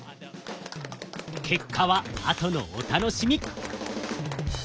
結果はあとのお楽しみ！